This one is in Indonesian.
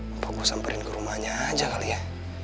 mampu gue samperin ke rumahnya aja kali ya